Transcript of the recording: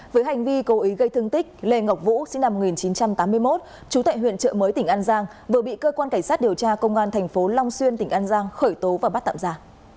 với hành vi cố ý gây thương tích lê ngọc vũ sinh năm một nghìn chín trăm tám mươi một trú tại huyện trợ mới tỉnh an giang vừa bị cơ quan cảnh sát điều tra công an tp long xuyên tỉnh an giang khởi tố và bắt tạm giả